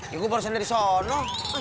ya gua barusan dari sono